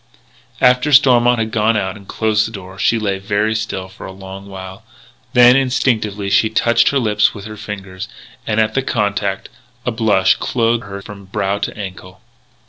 After Stormont had gone out and closed the door, she lay very still for a long while. Then, instinctively, she touched her lips with her fingers; and, at the contact, a blush clothed her from brow to ankle.